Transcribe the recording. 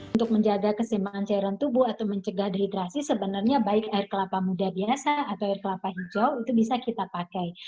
untuk menjaga keseimbangan cairan tubuh atau mencegah dehidrasi sebenarnya baik air kelapa muda biasa atau air kelapa hijau itu bisa kita pakai